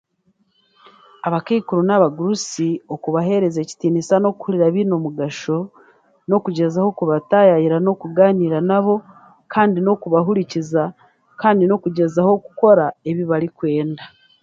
Abakaikuru n'abagurusi okubahereeza ekitiniisa n'okuhuriira beine omugasho n'okugyezaho kubatayayira n'okugaanira naabo kandi n'okubahurikiza kandi n'okugyezaho kukora ebi barikwenda.